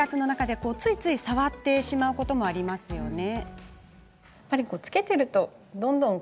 日常生活の中でついつい触っちゃうこともありますよね。